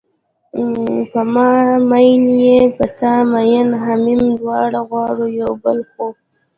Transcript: په ما میین یې په تا مینه همیمه دواړه غواړو یو بل خو